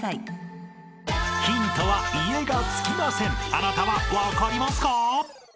［あなたは分かりますか？］